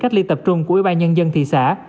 cách ly tập trung của ubnd thị xã